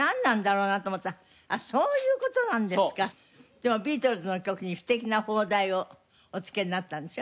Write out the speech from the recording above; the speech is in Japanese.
でもビートルズの曲に素敵な邦題をお付けになったんでしょ？